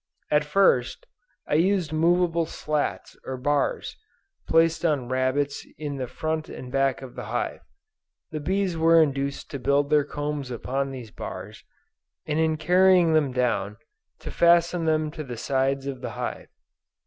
At first, I used movable slats or bars placed on rabbets in the front and back of the hive. The bees were induced to build their combs upon these bars, and in carrying them down, to fasten them to the sides of the hive.